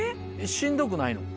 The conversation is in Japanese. しんどくないの？